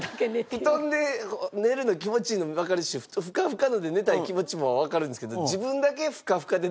布団で寝るの気持ちいいのもわかるしフカフカので寝たい気持ちもわかるんですけどでもね